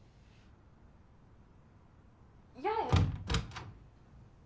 ・八重？